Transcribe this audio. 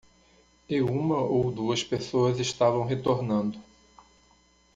E uma ou duas pessoas estavam retornando.